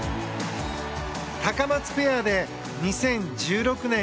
タカマツペアで２０１６年